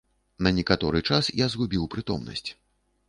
На некаторы час я згубіў прытомнасць.